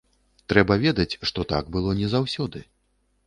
Трэба ведаць, што так было не заўсёды.